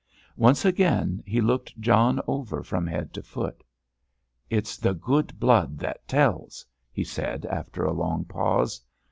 Once again he looked John over from head to foot. "It's the good blood that tells," he said after a long pause.